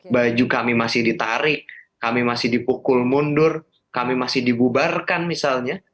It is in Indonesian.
baju kami masih ditarik kami masih dipukul mundur kami masih dibubarkan misalnya